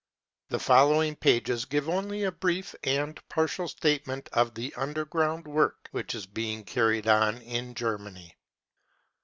The following pages give only a brief and partial state ment of the " underground 55 work which is being carried on in Germany.